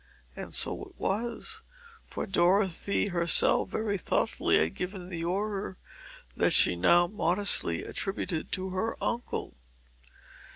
And so it was, for Dorothy herself very thoughtfully had given the order that she now modestly attributed to her uncle.